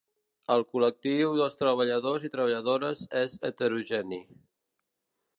El col·lectiu dels treballadors i treballadores és heterogeni.